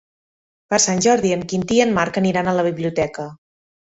Per Sant Jordi en Quintí i en Marc aniran a la biblioteca.